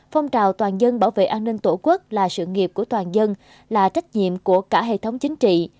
phong trào toàn dân bảo vệ an ninh tổ quốc là sự nghiệp của toàn dân là trách nhiệm của cả hệ thống chính trị